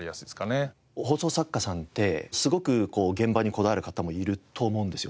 放送作家さんってすごく現場にこだわる方もいると思うんですよ。